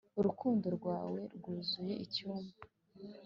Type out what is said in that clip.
urukundo rwawe rwuzuye icyumba